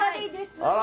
あ